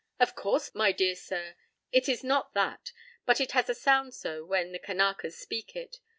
p> "Of course, my dear sir, it is not that, but it has a sound so when the Kanakas speak it.